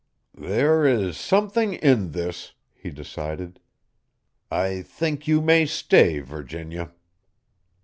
] "There is something in this," he decided. "I think you may stay, Virginia."